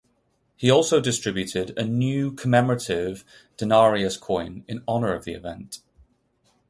He also distributed a new commemorative denarius coin in honor of the event.